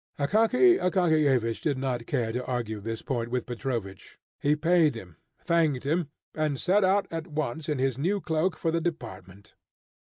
Akaky Akakiyevich did not care to argue this point with Petrovich. He paid him, thanked him, and set out at once in his new cloak for the department.